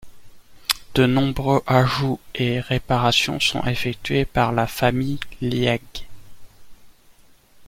De nombreux ajouts et réparations sont effectués par la famille Leigh.